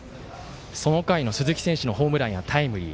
その回の鈴木選手のホームランやタイムリー。